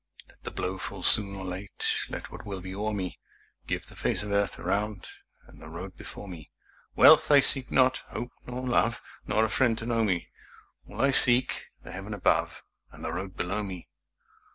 Let the blow fall soon or late, Let what will be o'er me; Give the face of earth around And the road before me. Wealth I seek not, hope nor love, Nor a friend to know me; All I seek, the heaven above And the road below me.